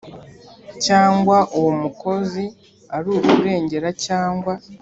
Cyangwa uwo mukozi ari ukurengera cyangwa